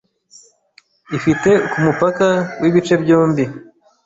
Ifite kumupaka wibice byombi